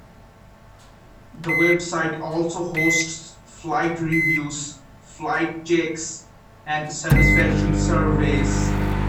The website also hosts flight reviews, flight checks, and satisfaction surveys.